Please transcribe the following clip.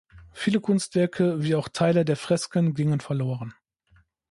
Viele Kunstwerke wie auch Teile der Fresken gingen verloren.